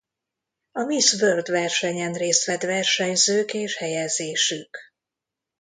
A Miss World versenyen részt vett versenyzők és helyezésük.